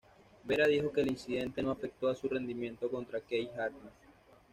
Vera dijo que el incidente no afectó a su rendimiento contra Keith Jardine.